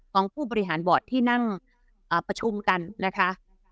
ของผู้บริหารบอร์ดที่นั่งประชุมกันนะคะ